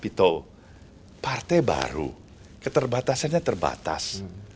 pito partai baru keterbatasannya terbatas